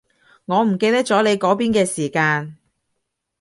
我唔記得咗你嗰邊嘅時間